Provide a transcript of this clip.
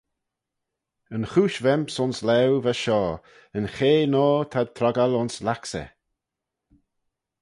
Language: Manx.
Yn chooish v'aym's ayns laue va shoh - yn chay noa t'ad troggal ayns Laksaa.